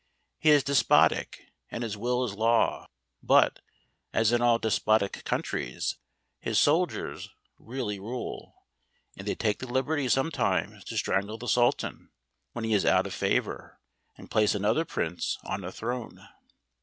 He is despotic, and his will is law; but, as in all despotic countries, his soldiers really rule, and they take the liberty sometimes to strangle the Sultan, when he is out of favour, and place another prince on the throne.